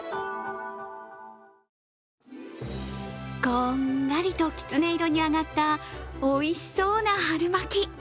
こんがりときつね色に揚がったおいしそうな春巻き。